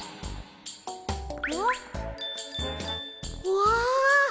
うわ！